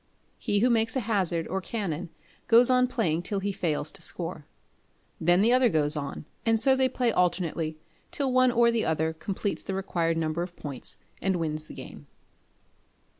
He who makes a hazard or canon goes on playing till he fails to score. Then the other goes on, and so they play alternately till one or other completes the required number of points, and wins the game.